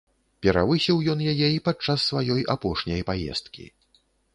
Перавысіў ён яе і падчас сваёй апошняй паездкі.